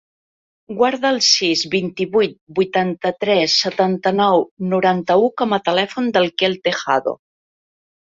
Guarda el sis, vint-i-vuit, vuitanta-tres, setanta-nou, noranta-u com a telèfon del Quel Tejado.